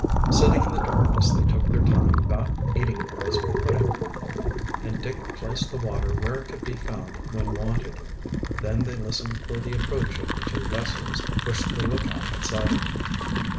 Sitting in the darkness they took their time about eating the rice pudding, and Dick placed the water where it could be found when wanted. Then they listened for the approach of the two vessels which the lookout had sighted.